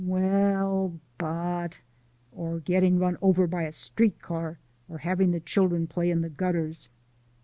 "Well, but " "Or getting run over by a street car, or having the children play in the gutters."